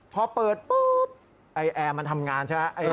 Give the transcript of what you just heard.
พอเปิดปุ๊บไอ้แอร์มันทำงานใช่ไหม